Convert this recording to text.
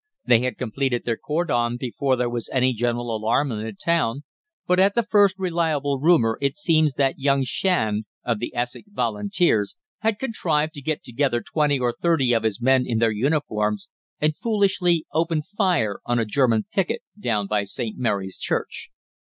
They had completed their cordon before there was any general alarm in the town, but at the first reliable rumour it seems that young Shand, of the Essex Volunteers, had contrived to get together twenty or thirty of his men in their uniforms and foolishly opened fire on a German picket down by St. Mary's Church.